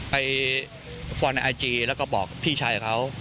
ฟอนในไอจีแล้วก็บอกพี่ชายเขา